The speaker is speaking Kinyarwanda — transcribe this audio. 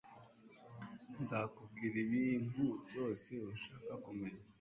Nzakubwira ibintu byose ushaka kumenya.